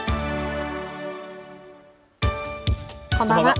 こんばんは。